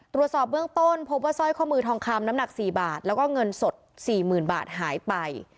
ตรวจสอบเบื้องต้นพบว่าสร้อยข้อมือทองคำน้ำหนัก๔บาทแล้วก็เงินสด๔๐๐๐บาทหายไป